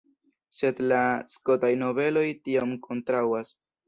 Sed la skotaj nobeloj tion kontraŭas.